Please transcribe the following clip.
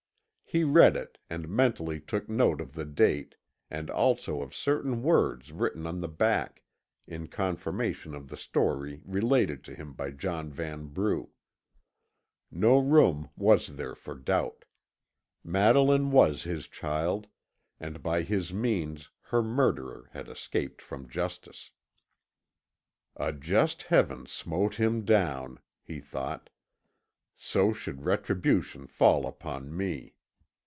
He read it and mentally took note of the date and also of certain words written on the back, in confirmation of the story related to him by John Vanbrugh. No room was there for doubt. Madeline was his child, and by his means her murderer had escaped from justice. "A just Heaven smote him down," he thought; "so should retribution fall upon me.